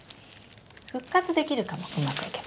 復活できるかもうまくいけば。